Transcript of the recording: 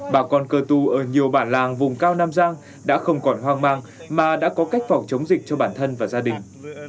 bà con cơ tu ở nhiều bản làng vùng cao nam giang đã không còn hoang mang mà đã có cách phòng chống dịch cho bản thân và gia đình